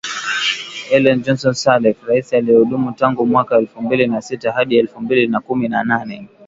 Ellen Johnson Sirleaf rais aliyehudumu tangu mwaka elfu mbili na sita hadi elfu mbili na kumi na nane